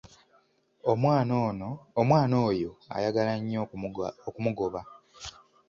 Omwana oyo ayagala nnyo okumugoba.